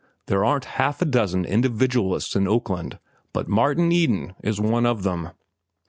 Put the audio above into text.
There aren't half a dozen individualists in Oakland, but Martin Eden is one of them."